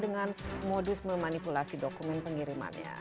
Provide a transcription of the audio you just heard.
dengan modus memanipulasi dokumen pengirimannya